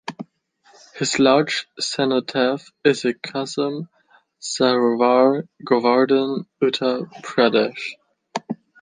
His large cenotaph is at Kusum Sarovar, Govardhan, Uttar Pradesh.